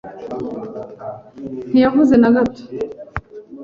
Ntiyavuze na gato.